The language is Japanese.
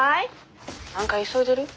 何か急いでる？